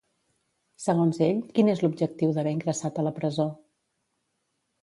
Segons ell, quin és l'objectiu d'haver ingressat a la presó?